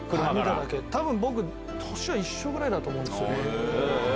多分年は一緒ぐらいだと思うんですよね。